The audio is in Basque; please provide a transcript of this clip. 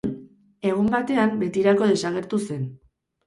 Egun batean betirako desagertu zen.